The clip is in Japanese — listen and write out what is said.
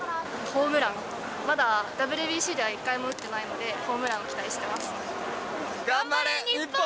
ホームラン、まだＷＢＣでは１回も打ってないので、ホームランを期待しています。